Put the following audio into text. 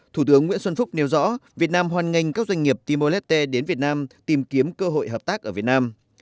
thủ tướng nguyễn xuân phúc nêu rõ việt nam hoàn nghênh các doanh nghiệp timor leste đến việt nam tìm kiếm cơ hội hợp tác ở việt nam